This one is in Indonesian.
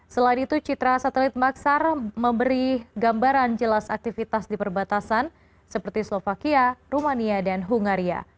selain itu citra satelit maksar memberi gambaran jelas aktivitas di perbatasan seperti slovakia rumania dan hungaria